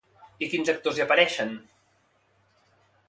I quins actors hi apareixen?